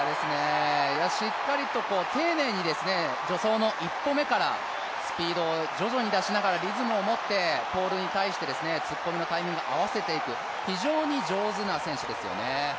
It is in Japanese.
しっかりと丁寧に助走の１歩目からスピードを徐々に出しながらリズムを持ってポールに対して突っ込みのタイミングを合わせていく、非常に上手な選手ですよね。